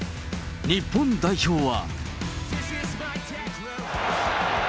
日本代表は。